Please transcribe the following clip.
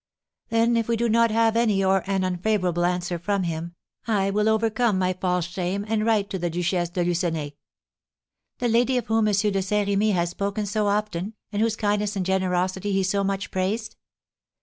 "Then if we do not have any or an unfavorable answer from him, I will overcome my false shame, and write to the Duchesse de Lucenay." "The lady of whom M. de Saint Remy has spoken so often, and whose kindness and generosity he so much, praised?"